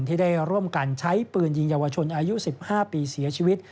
ที่ได้ร่วมกันใช้ปืนยิงเยาวชนอายุ๑๕ปีเสียชีวิต